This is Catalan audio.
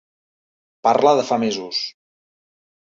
Parla de fa mesos.